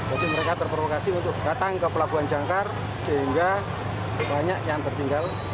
jadi mereka terprovokasi untuk datang ke pelabuhan jangkar sehingga banyak yang tertinggal